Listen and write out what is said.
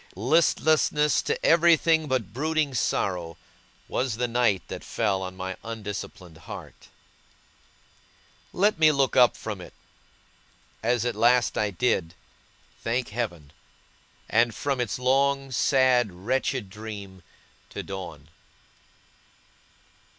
Listlessness to everything, but brooding sorrow, was the night that fell on my undisciplined heart. Let me look up from it as at last I did, thank Heaven! and from its long, sad, wretched dream, to dawn.